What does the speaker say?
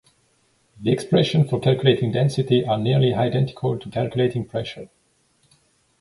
The expressions for calculating density are nearly identical to calculating pressure.